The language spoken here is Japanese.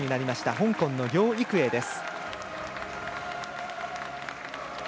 香港の梁育栄です。